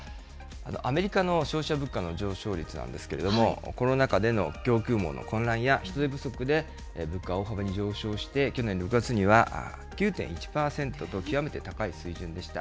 アメリカの消費者物価の上昇率なんですけれども、コロナ禍での供給網の混乱や、人手不足で物価、大幅に上昇して去年６月には、９．１％と極めて高い水準でした。